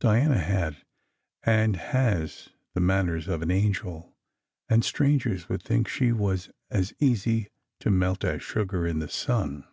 Diana had and has the manners of an angel; and strangers would think she was as easy to melt as sugar in the sun.